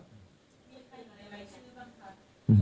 มีใครอยู่ในรายชื่อบ้างคะ